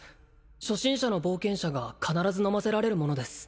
初心者の冒険者が必ず飲ませられるものです